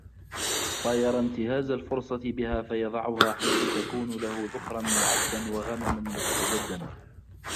فَيَرَى انْتِهَازَ الْفُرْصَةِ بِهَا فَيَضَعُهَا حَيْثُ تَكُونُ لَهُ ذُخْرًا مُعَدًّا وَغَنَمًا مُسْتَجَدًّا